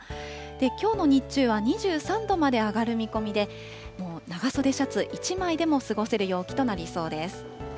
きょうの日中は２３度まで上がる見込みで、もう長袖シャツ１枚でも過ごせる陽気となりそうです。